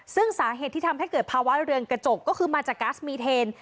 ซึ่งสาเหตุที่ทำให้เกิดภาวะเรือนกระจกก็คือมาจากก๊าซมีเทน